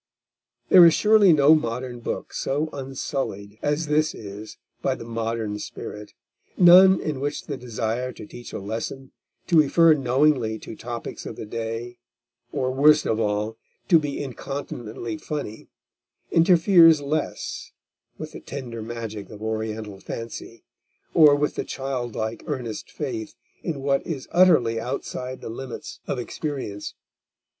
There is surely no modern book so unsullied as this is by the modern spirit, none in which the desire to teach a lesson, to refer knowingly to topics of the day, or worst of all, to be incontinently funny, interferes less with the tender magic of Oriental fancy, or with the childlike, earnest faith in what is utterly outside the limits of experience.